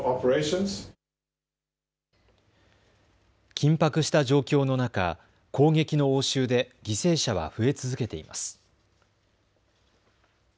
緊迫した状況の中、攻撃の応酬で犠牲者は増え続けています。